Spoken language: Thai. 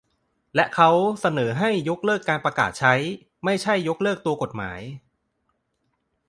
และเขาเสนอให้ยกเลิกการประกาศใช้ ไม่ใช่ยกเลิกตัวกฎหมาย